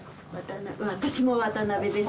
私も渡辺です。